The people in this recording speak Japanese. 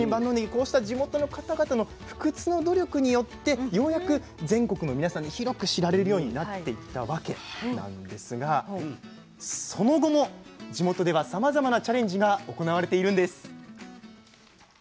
こうした地元の方々の不屈の努力によってようやく全国の皆さんに広く知られるようになっていったわけなんですがその後も地元ではさまざまなチャレンジが行われているんです。